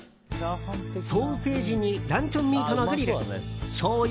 ソーセージにランチョンミートのグリルしょうゆ